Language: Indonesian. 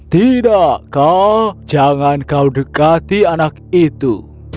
tidak kau jangan kau dekati anak itu